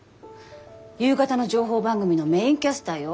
夕方の情報番組のメインキャスターよ。